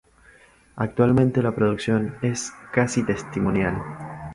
Actualmente la producción es casi testimonial.